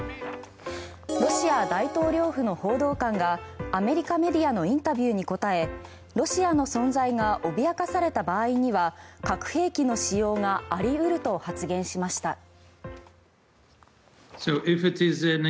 ロシア大統領府の報道官がアメリカメディアのインタビューに答えロシアの存在が脅かされた場合には核兵器の使用があり得ると発言しました。